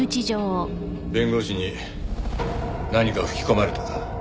弁護士に何か吹き込まれたか？